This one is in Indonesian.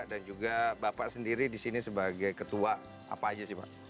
dan juga bapak sendiri di sini sebagai ketua apa aja sih pak